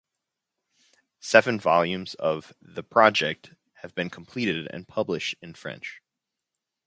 Seven volumes of "the project" have been completed and published in French.